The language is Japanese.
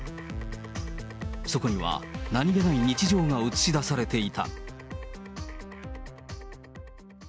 そこには、何気ない日常が写し出されていた。